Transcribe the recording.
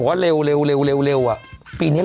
แปดเดียว